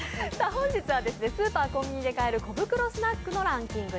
本日はスーパー・コンビニで買える小袋スナックのラヴィット！